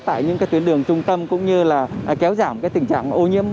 tại những tuyến đường trung tâm cũng như kéo giảm tình trạng ô nhiễm